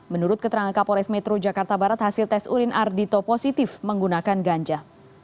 menurut keterangan kapolres metro jakarta barat hasil tes urin ardhito positif menggunakan ganja